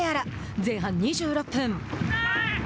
前半２６分。